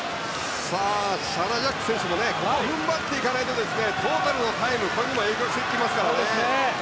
シャナ・ジャック選手もここ踏ん張らないとトータルのタイムにも影響してきますからね。